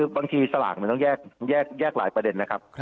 สลากมันต้องแยกหลายประเด็นนะครับ